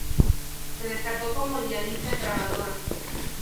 Se destacó como yihadista grabadora.